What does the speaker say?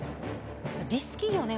リスキーよね。